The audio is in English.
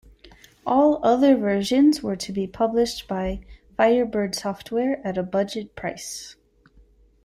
All other versions were to be published by Firebird Software at a budget price.